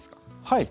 はい。